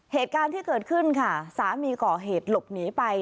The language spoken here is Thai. เหตุการณ์ที่เกิดขึ้นค่ะสามีก่อเหตุหลบหนีไป